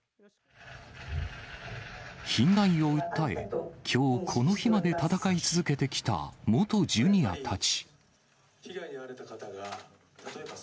被害を訴え、きょう、この日まで戦い続けてきた元ジュニアたち。